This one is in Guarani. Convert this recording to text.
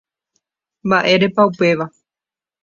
Mba'érepa upéva